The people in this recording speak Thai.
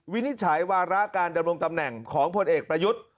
วินิจฉัยวาระการดำรงตำแหน่งของพลเอกประยุทธ์